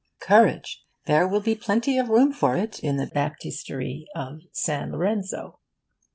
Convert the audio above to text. Courage! There will be plenty of room for it in the Baptistery of San Lorenzo.